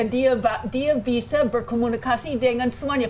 dia bisa berkomunikasi dengan semuanya